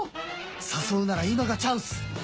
誘うなら今がチャンス！